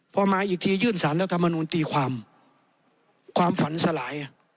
พอมาอีกทียื่นสารรัฐมนูลตีความความฝันสลาย